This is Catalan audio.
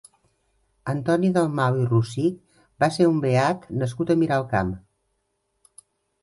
Antoni Dalmau i Rosich va ser un beat nascut a Miralcamp.